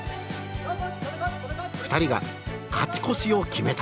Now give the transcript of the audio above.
２人が勝ち越しを決めた。